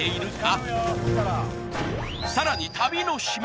さらに旅の締め